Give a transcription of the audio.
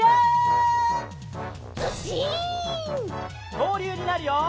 きょうりゅうになるよ！